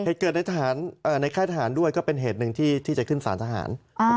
เหตุเกิดในค่ายทหารด้วยก็เป็นเหตุหนึ่งที่จะขึ้นสารทหาร